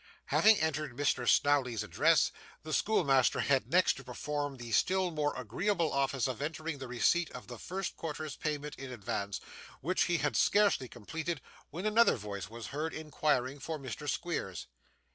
Having entered Mr. Snawley's address, the schoolmaster had next to perform the still more agreeable office of entering the receipt of the first quarter's payment in advance, which he had scarcely completed, when another voice was heard inquiring for Mr. Squeers.